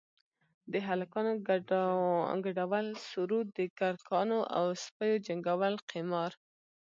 د هلکانو گډول سروذ د کرکانو او سپيو جنگول قمار.